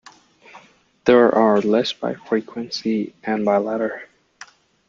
There are list by frequency and by letter.